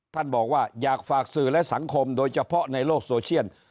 บอกว่าอยากฝากสื่อและสังคมโดยเฉพาะในโลกโซเชียล